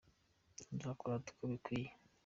Nzakurata uko bigukwiye